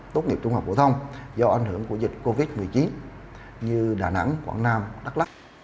tốt nghiệp trung học phổ thông do ảnh hưởng của dịch covid một mươi chín như đà nẵng quảng nam đắk lắc